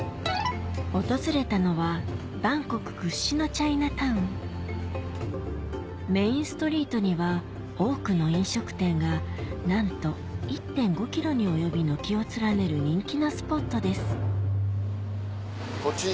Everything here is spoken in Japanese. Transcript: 訪れたのはバンコク屈指のチャイナタウンメインストリートには多くの飲食店がなんと１．５ｋｍに及び軒を連ねる人気のスポットですこっち？